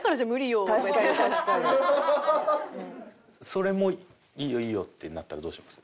それも「いいよいいよ」ってなったらどうします？